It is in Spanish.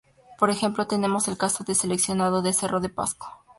Por ejemplo, tenemos el caso del seleccionado de Cerro de Pasco.